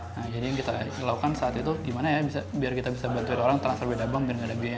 nah jadi yang kita lakukan saat itu gimana ya biar kita bisa bantuin orang transfer beda bank biar gak ada biaya